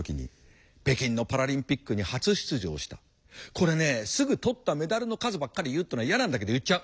これねすぐ取ったメダルの数ばっかり言うっていうのは嫌なんだけど言っちゃう。